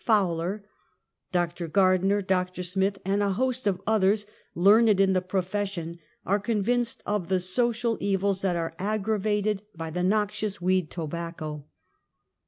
Fowler, Dr. Gardner, Dr. Smith, and a host of others learned in the profession,, are convinced of the social evils that are aggravated by the noxious weed — tobacco.